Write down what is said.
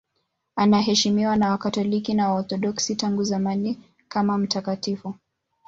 Anaheshimiwa na Wakatoliki na Waorthodoksi tangu zamani sana kama mtakatifu.